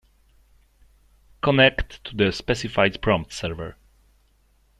Connect to the specified prompt server.